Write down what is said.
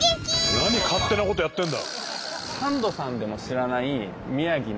何勝手なことやってんだ！